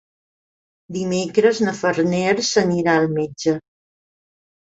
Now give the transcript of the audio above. Dimecres na Farners anirà al metge.